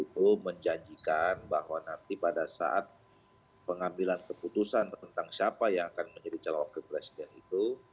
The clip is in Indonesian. itu menjanjikan bahwa nanti pada saat pengambilan keputusan tentang siapa yang akan menjadi calon wakil presiden itu